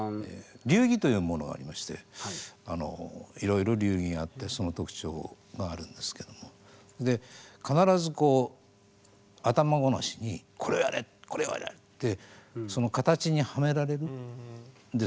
流儀というものがありましていろいろ流儀があってその特徴があるんですけども必ずこう頭ごなしにこれをやれこれをやれってその型にはめられるんですよ。